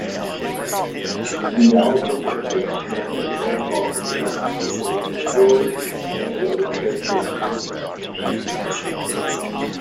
The album reflects Mann's own boxing in its story and illustrations.